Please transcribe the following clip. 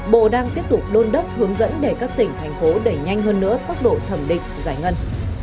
bộ đang tiếp tục đôn đốc hướng dẫn để các tỉnh thành phố đẩy nhanh hơn nữa tốc độ thẩm định giải ngân